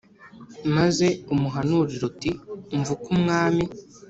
maze umuhanurire uti Umva uko Umwami